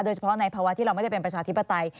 เฉพาะในภาวะที่เราไม่ได้เป็นประชาธิปไตย